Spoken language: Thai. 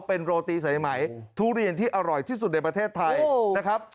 เป็นโรตีสายไหมทุเรียนที่อร่อยที่สุดในประเทศไทยนะครับ